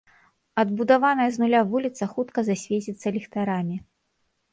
Адбудаваная з нуля вуліца хутка засвеціцца ліхтарамі.